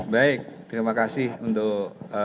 baik terima kasih untuk